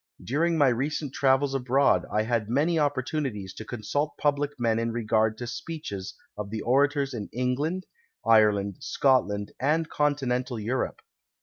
During my recent travels abroad I had many (opportunities to consult public men in regard to .>!K'cches of the orators of England, Ireland, Scotland and Continental Europe.